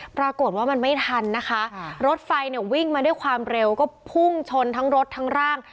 ปรากฏว่ามันไม่ทันนะคะรถไฟเนี่ยวิ่งมาด้วยความเร็วก็พุ่งชนทั้งรถทั้งร่าง